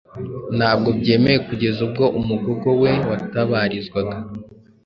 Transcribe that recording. ntabwo babyemeye kugeza ubwo umugogo we watabarizwaga